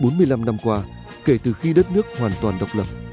bốn mươi năm năm qua kể từ khi đất nước hoàn toàn độc lập